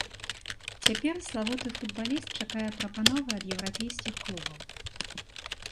Цяпер славуты футбаліст чакае прапановы ад еўрапейскіх клубаў.